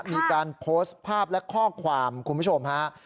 มีการโพสต์ภาพและข้อความคุณผู้ชมฮะ